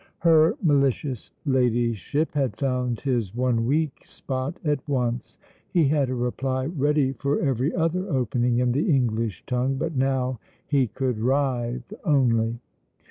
Her malicious Ladyship had found his one weak spot at once. He had a reply ready for every other opening in the English tongue, but now he could writhe only.